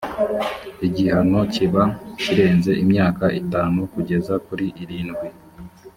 igihano kiba kirenze imyaka itanu kugeza kuri irindwi